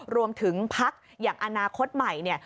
รวมถึงพักอย่างอนาคตใหม่เนี่ย